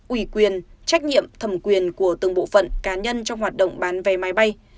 ủy quyền trách nhiệm thẩm quyền của từng bộ phận cá nhân trong hoạt động bán vé máy bay